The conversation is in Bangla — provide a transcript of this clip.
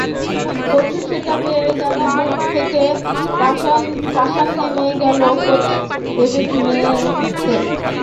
পরশু সেটা পেয়ে যেন বুক থেকে পাষাণভার নেমে গেছে কোচ ডেভিড ময়েসের।